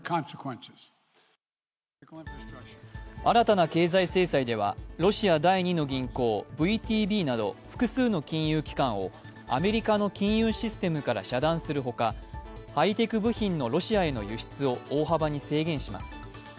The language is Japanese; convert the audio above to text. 新たな経済制裁ではロシア第２の銀行・ＶＴＢなど複数の金融機関をアメリカの金融システムから遮断する他ハイテク部品のロシアへの輸出を大幅に制限します。